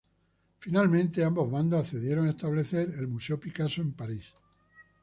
Finalmente, ambos bandos accedieron a establecer el Museo Picasso en París.